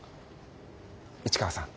市川さん